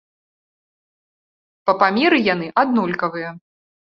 Па памеры яны аднолькавыя.